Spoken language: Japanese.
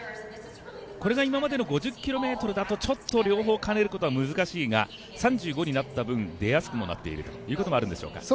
これが今までの５０ｋｍだと両方を兼ねることは難しいが３５になった分、出やすくもなっているということもあるのか。